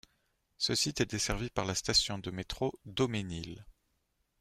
Ce site est desservi par la station de métro Daumesnil.